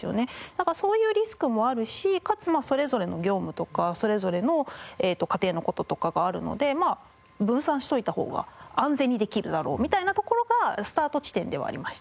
そういうリスクもあるしかつそれぞれの業務とかそれぞれの家庭の事とかがあるので分散しておいたほうが安全にできるだろうみたいなところがスタート地点ではありました。